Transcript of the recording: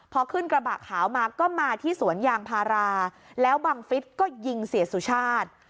พอขึ้นกระบะขาวมาก็มาที่สวนยางพาราแล้วบังฟิศก็ยิงเสียสุชาติ